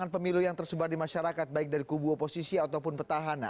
delapan pemilu yang tersebar di masyarakat baik dari kubu oposisi ataupun petahana